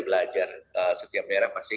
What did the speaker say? belajar setiap daerah pasti